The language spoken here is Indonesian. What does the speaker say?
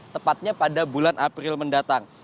tepatnya pada bulan april mendatang